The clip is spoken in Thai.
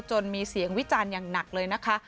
มีเสียงวิจารณ์อย่างหนักเลยนะคะ